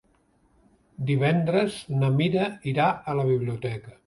Divendres na Mira irà a la biblioteca.